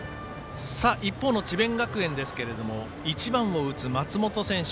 一方の智弁学園ですけれども１番を打つ松本選手。